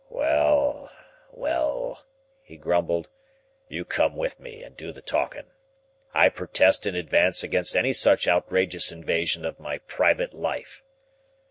"Well, well," he grumbled, "you come with me and do the talking. I protest in advance against any such outrageous invasion of my private life."